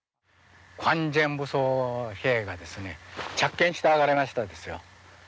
完全武装兵が着剣して上がりましたですよ。